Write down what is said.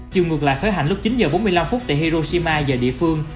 chiều ngược lại khởi hành lúc chín giờ bốn mươi năm phút tại hiroshima giờ địa phương